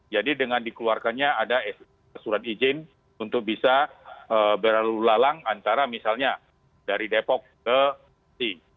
jadi dengan dikeluarkannya ada surat izin untuk bisa berlalang antara misalnya dari depok ke sih